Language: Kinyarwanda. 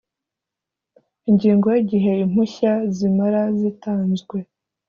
Ingingo y’Igihe impushya zimara zitanzwe